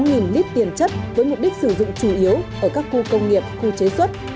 nghìn lít tiền chất với mục đích sử dụng chủ yếu ở các khu công nghiệp khu chế xuất